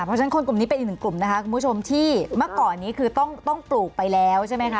เพราะฉะนั้นคนกลุ่มนี้เป็นอีกหนึ่งกลุ่มนะคะคุณผู้ชมที่เมื่อก่อนนี้คือต้องปลูกไปแล้วใช่ไหมคะ